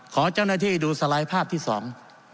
ขอเจ้าหน้าที่ดูสไลด์ภาพที่สอง